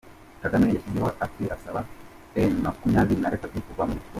kagame yashyizeho ake asaba M makumyabiri nagatatu kuva muri Goma